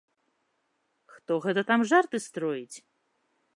Хто гэта там жарты строіць!